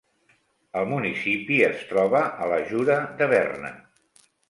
El municipi es troba a la Jura de Berna.